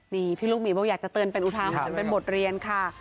นี่พี่ลูกหมีบอกอยากจะเตือนเป็นอุทาหรณ์เป็นบทเรียนค่ะ